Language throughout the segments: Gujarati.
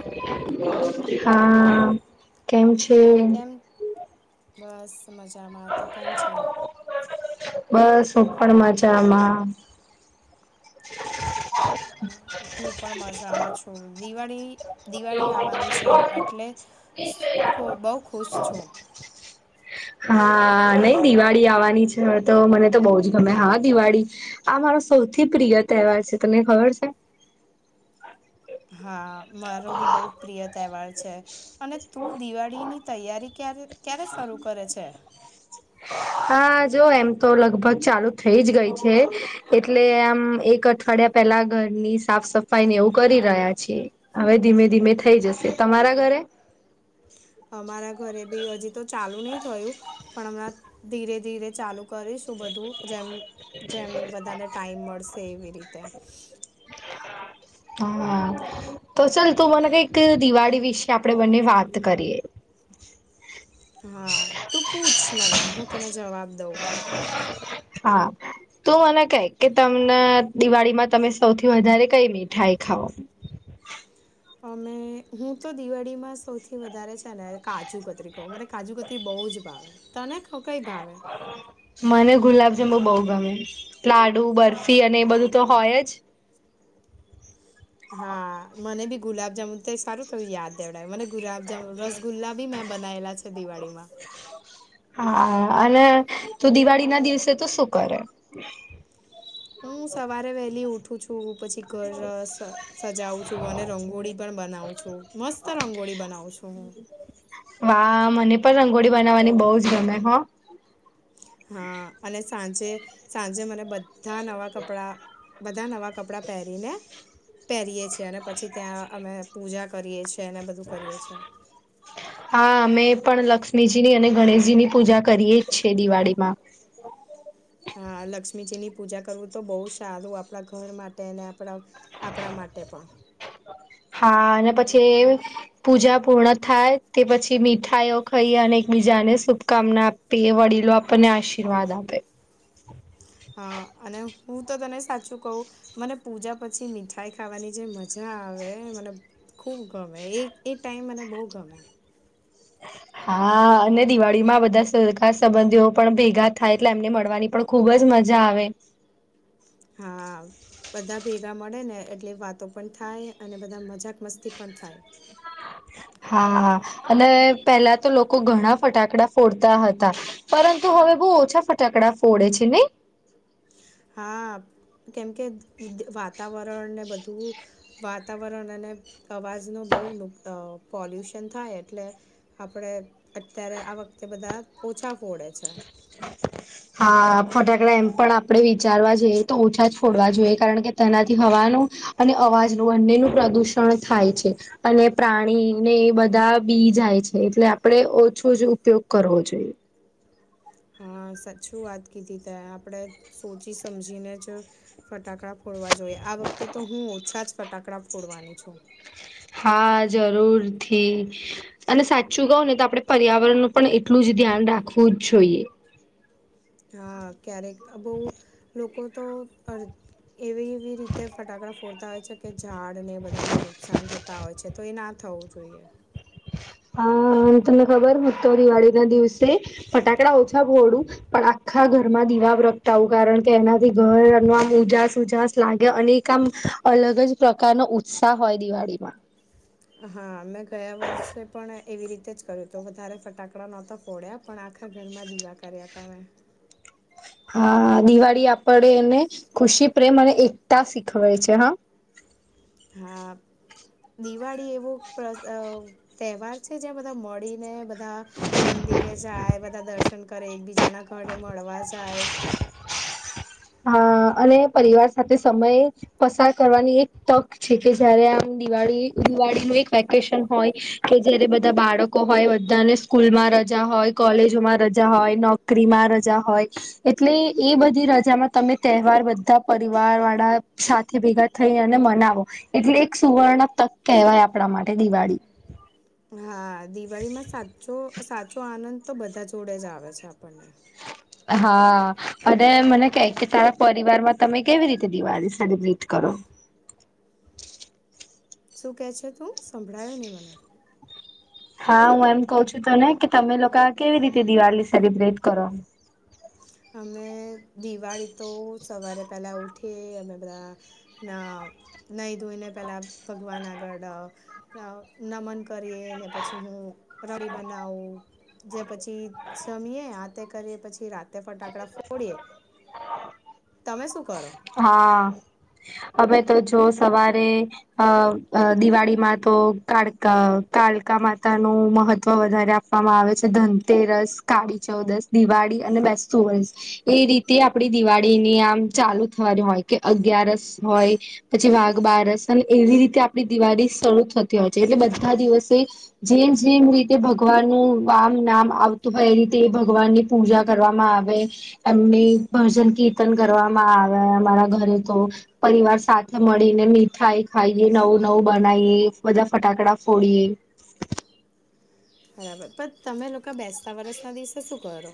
તો હા કેમ છે? કેમ બસ મજામાં તો કેમ છે? બસ ઉપ પણ પણ મજામાં. હું પણ મજામાં છું દિવાળી દિવાળી આવવાની છે એટલે, બહુ ખુશ છું. હા નઈ દિવાળી આવવાની છે તો મને તો બહ જ ગમે હા દિવાળી. આ મારો સૌથી પ્રિય તહેવાર છે તમને ખબર છે? હા મારો બી બહુ પ્રિય તહેવાર છે, અને તું દિવાળીની તૈયારી ક્યારે ક્યારે શરૂ કરે છે? હા જો એમ તો લગભગ ચાલુ થઇ જ ગઈ છે. એટલે આમ એક અઠવાડિયા પેલા ઘરની સાફ સફાઈ ને એવું કરી રહ્યા છીએ. હવે ધીમે ધીમે થઇ જશે તમારા ઘરે? અમારા ઘરે બી હજી તો ચાલુ નહી થયું, પણ હમણાં ધીરે ધીરે ચાલુ કરીશું બધું જેમ જેમ બધાને ટાઈમ મળશે એવી રીતે. હા તો ચાલ તું મને કઈક દિવાળી વિશે આપડે બંને વાત કરીએ. હા તું પૂછ મને હું તને જવાબ દઉં. હા. તું મને ક કે તમને દિવાળીમાં તમે સૌથી વધારે કઈ મીઠાઈ ખાવ? અમે હું તો દિવાળીમાં સૌથી વધારે છે ને કાજુ કતરી કહું મને કાજુ કતરી બહુ જ ભાવે. તને ખો કઈ ભાવે? મને ગુલાબજંબુ બહુ ગમે, લાડુ બરફી અને એ બધું તો હોય જ. હા મને બી ગુલાબજામુન તો સારું થું યાદ ડ મને ગુલાબજામુન રસગુલ્લા બી મેં બનાયલા છે દિવાળી માં. હા અને તુ દિવાળી ના દિવસે તુ શું કરે? હું સવારે વેલી ઉઠું છું પછી ઘર સ સજાવું છું અને રંગોળી પણ બનાવું છું, મસ્ત રંગોળી બનાવું છું હું. વાહ! મને પણ રંગોળી બનાવવાની બઉ જ ગમે હ. હા અને સાંજે, સાંજે મને બધા નવાં કપડાં બધા નવાં કપડાં પહેરીને પહેરીએ છીએ અને પછી ત્યાં અમે પૂજા કરીએ છીએ. છેને બધું કરીએ છીએ. હા અમે પણ લક્ષ્મીજીની અને ગણેશજી ની પૂજા કરીએે જ છેએ દિવાળીમાં. હા લક્ષ્મીજીની પૂજા કરવું તો બહુ સારું આપણા ઘર માટે અને આપણા આપણા માટે પણ. હા ને પછી પૂજા પૂર્ણ થાય. તે પછી મીઠાઈઓ ખઈ અને એકબીજાને શુભકામના આપ તે વડીલો આપણને આશીર્વાદ આપે. હ અને હું તો તને સાચું કવ મને પૂજા પછી મીઠાઈ ખાવાની જે મજા આવે મને ખૂબ ગમે એ એ ટાઈમ મને બઉ ગમે. [unintelligible] આ અને દિવાળી માં બધા સરગા સંબંધીઓ પણ ભેગા થાય એટલે એમને મળવાની પણ ખુબ જ મજા આવે. હા બધા ભેગા મળે ને એટલે વાતો પણ થાય અને બધા મજાક મસ્તી પણ થાય. હા અને પેલા તો લોકો ઘણા ફટાકડા ફોડતા હતા. પરંતુ હવે બઉ ઓછા ફટાકડા ફોડે છે ને? હા કેમકે કુદ વાતાવરણ ને બધું વાતાવરણ અને અવાજ નું બઉ નુ પોલ્યુશન થાય એટલે. આપડે અત્યારે આ વખતે બધા ઓછા ફોડે છે. હા ફટાકડા એમ પણ આપણે વિચારવા જઈએ તો ઓછા જ ફોડવા જોઈએ કારણ કે તેનાથી હવાનું અને અવાજનું બંને નુ પ્રદુષણ થાય છે. અને પ્રાણી ને એ બધા બી જાય છે, એટલે આપડે ઓછો જ ઉપયોગ કરવો જોઈએ. હા સાચું વાત કીધી ત આપણેે સોચી સમજીને જ ફટાક ડા ફોડવા જોઈએ. આ વખતે તો હું ઓછા જ ફટાકડા ફોડવાની છું. હા જરૂરથી અને સાચું કઉ ને તો આપડે પર્યાવરણ નું પણ એટલું જ ધ્યાન રાખવું જ જોઈએ. હા ક્યારેક બઉ લોકો તો અર એવી એવી રીતે ફટાકડા ફોડતા હોય છે. કે ઝાડને બધાને નુકસાન થતાં હોય છે, તો એ ના થવું જોઈએ. અ તમને ખબર હું તો દિવાળી ના દિવસે ફટાકડા ઓછા ફોડી. પણ આખા ઘરમાં દીવા પ્રગટાવુ કારણ કે એનાથી ઘર આમ ઉજાસ ઉજાસ લાગે અને ઈ કામ અલગ જ પ્રકાર નો ઉત્સાહ હોય દિવાળીમાં. હા મેં ગયા વર્ષે પણ એવી રીતે જ કર્યું તું વધારે ફટાકડા નહોતા ફો ફોડ્યા, પણ આખા ઘરમાં દીવા કર્યા તા મે હા દિવાળી આપડણે એને ખુશી પ્રેમ અને એકતા શીખવાય છે હા. હા દિવાળી એવો પ્ર તહેવાર છે જા બધા મળીને બધા મંદિરે જાય બધા દર્શન કરે, એકબીજાના ઘરે મળવા જાય. અ અને પરિવાર સાથે સમયે પસાર કરવાની એક તક છે, કે જયારે આમ દિવાળી દિવાળીનું એક વેકેશન હોય. કે જારે બધા બાળકો હોય, બધાને સ્કૂલમાં રજા હોય, કોલેજોમાં રજા હોય ન ક્રિમા રજા હોય એટલે એ બધી રજામાં તમે તહેવાર બધા પરિવાર વાળા સાથે ભેગા થઈ અને મનાવો એટલે એક સુવર્ણ તક કહેવાય આપણા માટે દિવાળી હા દિવાળી માં સાચો સાચો આનંદ તો બધા જોડે જ આવે છે આપણને હ હા અને મને ક કે તારા પરિવારમાં તમે કેવી રીતે દિવાળી સેલિબ્રેટ કરો શું કે છે તું? સંભળાયુ ની મને. હા હું એમ કઉ છું તો ને કે તમે લોકો કેવી રીતે દિવાળી સેલિબ્રેટ કરો. અમે દિવાળી તો સવારે પેલા ઉઠીએ અમે બધા ના નઈ ધોઈને પેલાં ભગવાન આગળ અ નમન કરીએ ને પછી હું રડી બનાવું. જે પછી જમીએે આ તે કરીએ પછી રા તે ફટાકડા ફોડીએ. તમે શું કરો? હા અમે તો જો સવારે અ દિવાળીમાં તો કાળકા કાળકા માતા નું મહત્વ વધારે આપવામાં આવે છે ધનતેરસ કાળી ચૌદસ દિવાળી અને બેસુ વસ એ રીતે આપડી દિવાળીની આમ ચાલુ થવાની હોય કે અગિયારસ હોય પછી વાઘ બારસ અને એવી રીતે આપણી દિવાળી શરૂ થતી હોય છે એટલે બધા દિવસે જેમ જેમ રીતે ભગવાનનુંું વામ નામ આવતું હોય એ રીતે એ ભગવાનને પૂજા કરવામાં આવે એમની ભજન કીર્તન કરવામાં આવે અમારા ઘરે તો પરિવાર સાથે મળીને મીઠાઈ ખાઈ નવું બનાવીએ બધા ફટાકડા ફોડીએ બરાબર પ તમે લોકો બેસતા વરસના દિવસે શું કરો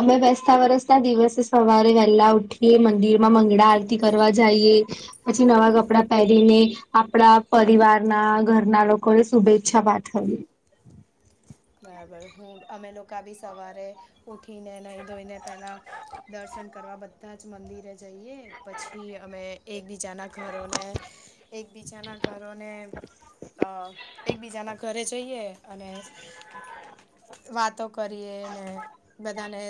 અમે બેસતા વરસતા દિવસે સવારે વહેલા ઉઠીએ મંદિર માં મંગળા આરતી કરવા જઈએ પછી નવા કપડાં પહેરીને આપણા પરિવારના ઘરના લોકોને શુભેચ્છા પાઠવી બરાબર હું અમે લોકો બી સવારે ઉઠીને નહીં ધોઈને પહેલા દર્શન કરવા બધા જ મંદિરે જઈએ પછી અમે એકબીજાના ઘરોને એકબીજાના ઘરોને એકબીજાના ઘરે જઈએ અને વાતો કરીએ ને બધાને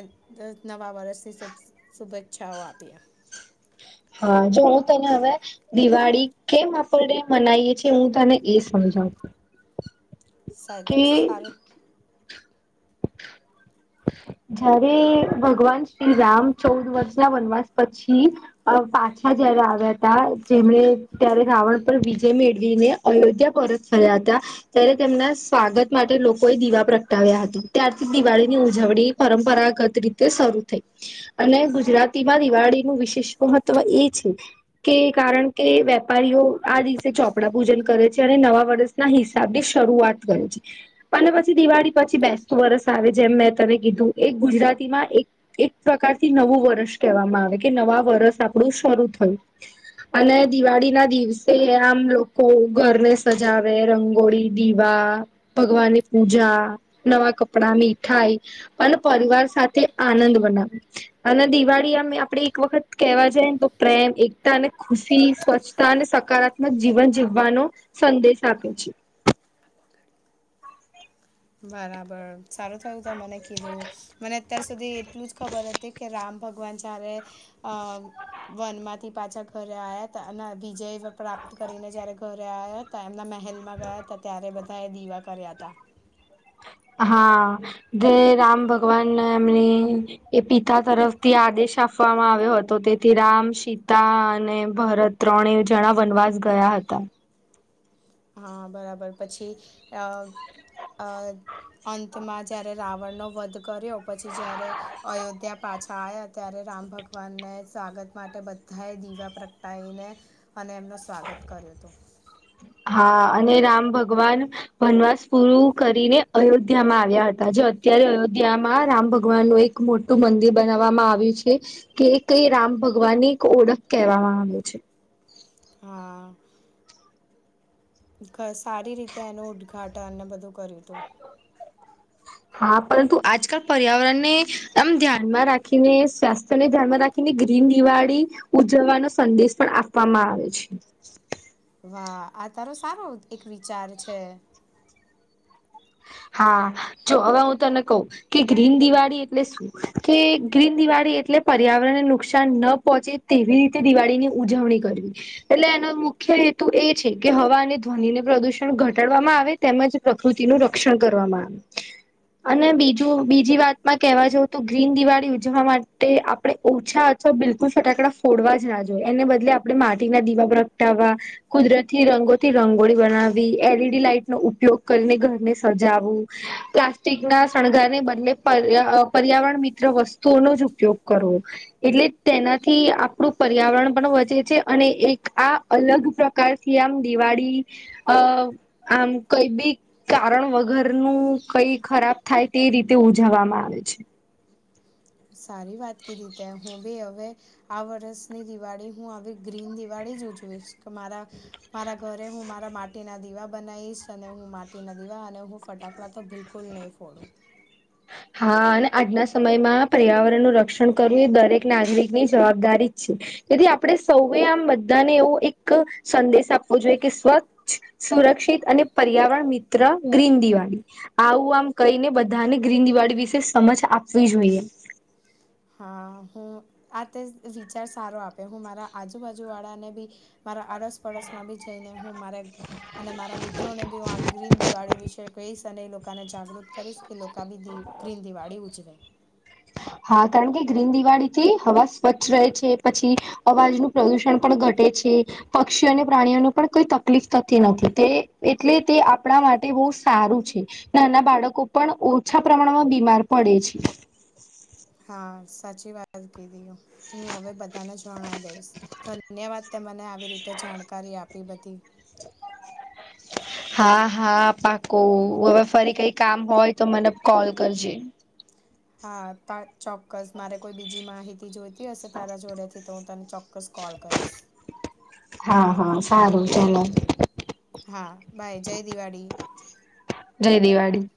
નવા વર્ષથી શુભ શુભેચ્છાઓ વાવાતી્યા હા જો હું તને હવે દિવાળી કેમ આપણને મનાવીએ છ છેીએ હું તને એ સમજાવ છ સાર [inaudible] જારે ભગવાન શ્રીરામ ચૌદ વર્ષ ના વનવાસ પછી અ પાછા જયારે આવ્યા હતા જેમને ત્યારે રાવણ પર વિજય મેળવીને અયોધ્યા પરત ફર્યા હતા ત્યારે તેમના સ્વાગત માટે લોકોએ દીવા પ્રગટાવ્યા હતા ત્યારથી દિવાળી ની ઉજવણી પરંપરાગત રીતે શરૂ થઈ અને ગુજરાતીમાં દિવાળીનુંું વિશેષ મહત્વ એ છે કે કારણ કે કે વેપારીઓ આ દિવસે ચોપડા પૂજન કરે છે નવા વર્ષના હિસાબની શરૂઆત કરી છે અને પછી દિવાળી પછી બે વરસ આવે જેમ મેં તને કીધું એ ગુજરાતીમાં એક એક પ્રકારથી નવું વર્ષ કહેવામાં આવે કે નવા વર્ષ આપણું શરૂ થયું અને દિવાળી ના દિવસે આમ લોકો ઘરને સજાવે રંગોળી દીવા ભગવાન ની પૂજા નવા કપડા મીઠાઈ અને પરિવાર સાથે આનંદ બનાવે અને દિવાળી આમ આપડે એક વખત કહેવા જાય ને તો પ્રેમ એકતા અને ખુશી સ્વચ્છ અને સકારાત્મક જીવન જીવવાનો સંદેશ આપે છે બરાબર સારું થયું ત મને કીધું મને અત્યાર સુધી એટલું જ ખબર હતી કે રામ ભગવાન ચ્યારે વન માંથી પાછા ઘરે આવ્યા હતા વિજય પ્રાપ્ત કરીને જયારે ઘરે આવ્યા ત એમના હેલમાં ગયા હતા ત્યારે બધાએ દીવા કર્યા હતા. હા જે રામ ભગવાન એમની એ પિતા તરફથી આદેશ આપવામાં આવ્યો હતો તેથી રામ, સીતા અને ભરત ત્રણે જણા વનવાસ ગયા હતા. હા બરાબર પછી અંતમાં જ્યારે રાવણનો વધ કર્યો પછી જ્યારે અયોધ્યા પાછા આવ્યા ત્યારે રામ ભગવાનને સ્વાગત માટે બધાએ દીવા પ્રગટાઈીને અને એમનું સ્વાગત કર્યું હતું હા અને રામ ભગવાન વનવાસ પૂરું કરીને અયોધ્યામાં આવ્યા હતા જે અત્યારે અયોધ્યામાં રામ ભગવાન નું એક મોટું મંદિર બનાવવામાં આવ્યું છે. કે કઈ રામ ભગવાન ની એક ઓળખ કહેવામાં આવે છે. હા. સારી રીતે એનું ઉદ્દઘાટન બધું કર્યું હતું. હા પરંતુ આજકાલ પર્યાવરણને આમ ધ્યાનમાં રાખીને સ્વાસ્થ્યને ધ્યાનમાં રાખીને ગ્રીન દિવાળી ઉજવવાનો સંદેશ પણ આપવામાં આવે છે. વાહ આ તારો સારો એક વિચાર છે. હા જો હવે હું તને કઉ કે ગ્રીન દિવાળી એટલે શું, કે ગ્રીન દિવાળી એટલે પર્યાવરણને નુકસાન ન પહોંચે તેવી રીતે દિવાળી ની ઉજવણી કરવી. એટલે એનો મુખ્ય હેતુ એ છે કે હવા અને ધ્વનિને પ્રદુષણ ઘટાડવામાં આવે તેમજ પ્રકૃતિ નો રક્ષણ કરવામાં આવે. અને બીજું બીજી વાતમાં કહેવા જાવ તો ગ્રીન દિવાળી ઉજવા માટે આપણે ઓછા તો બિલકુલ ફટાકડા ફોડવા જ ના જોઈએ એને બદલે આપડણે માટીના દીવા પ્રગટાવવા કુદરતી રંગોથી રંગોળી બનાવી, એલ ઈ ડી લાઈટનો ઉપયોગ કરીને ઘરને સજાવું. પ્લાસ્ટિક ના શણગારને બદલે પર પર્યાવરણ મિત્ર વસ્તુઓનો જ ઉપયોગ કરવો. એટલે તેનાથી આપણું પર્યાવરણ પણ વધે છે અને એક આ અલગ પ્રકારથી આમ દિવાળી અ આમ કઈ બી કારણ વગર નું કઈ ખરાબ થાય તે રીતે ઉજવવામાં આવે છે. સારી વાત કીધી તે, હું બી હવે આ વરષની દિવાળી હું આવી ગ્રીન દિવાળી જ ઉજવીશ. કે મારા મારા ઘરે હું મારા મા ટીના દીવા બનાવીશ અને હું માટીના દીવા અને હું ફટાકડા તો બિલકુલ નહીં ફોડું. હા અને આજના સમયમાં પર્યાવરણનું રક્ષણ કરવું એ દરેક નાગરિકની જવાબદારી જ છે. તેથી આપણે સૌએ આમ બધાને એવો એક સંદેશ આપવો જોઈએ કે સ્વ સુરક્ષિત અને પર્યાવરણ મિત્ર ગ્રીન દિવાળી. આવું આમ કહીને બધાને ગ્રીન દિવાળી વિશે સમજ આપવી જોઈએ. હા હું આ તે વિચાર સારો આપે હું મારા આજુબાજુવાળાને બી મારા આડસ પડસ માં બીજું થઈને હું મારે અને મારા મિત્રોને બી હું આ ગ્રીન દિવાળી વિશે કહીશ. તને એ લોકોને જાગૃત કરીશ કે લોકો બી દી ગ્રીન દિવાળી ઉજવે. હા કારણ કે ગ્રીન દિવાળી થી હવા સ્વચ્છ રહે છે પછી અવાજનું પ્રદુષણ પણ ઘટે છે. પક્ષીઓ અને પ્રાણીઓને પણ કોઈ તકલીફ થતી નથી તે એટલે તે આપણા માટે બહુ સારું છે. નાના બાળકો પણ ઓછા પ્રમાણમાં બીમાર પડે છે. હા સાચી વાત કીધી હું હવે બધાને જણાવ દઈશ. ધન્યવાદ તે મને આવી રીતે જાણકારી આપી બધી. હા હા પાકુ હવે ફરી કઈ કામ હોય તો મને કોલ કરજે. હા પાચ ચોક્કસ મારે કોઈ બીજી માહિતી જોઈતી હશે તારા જોડેથી તો. તને ચોક્કસ કોલ કરીશ. હા હા સારું ચલો. હા બાય જય દિવાળી. જય દિવાળી.